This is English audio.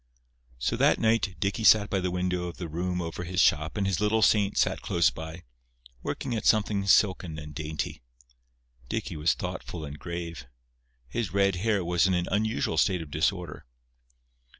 So, that night Dicky sat by the window of the room over his shop and his little saint sat close by, working at something silken and dainty. Dicky was thoughtful and grave. His red hair was in an unusual state of disorder.